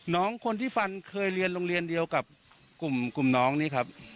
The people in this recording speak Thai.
น้องคนที่ฟันเคยเรียนโรงเรียนเดียวกับกลุ่มน้องนี่ครับ